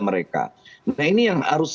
mereka nah ini yang harus